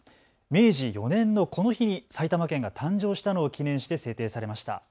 明治４年のこの日に埼玉県が誕生したのを記念して制定されました。